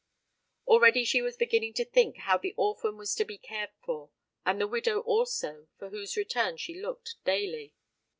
Already she was beginning to think how the orphan was to be cared for and the widow also, for whose return she looked daily.